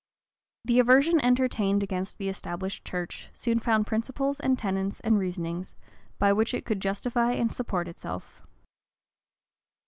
The aversion entertained against the established church soon found principles, and tenets, and reasonings, by which it could justify and support itself.